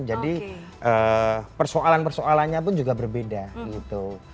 jadi persoalan persoalannya pun juga berbeda gitu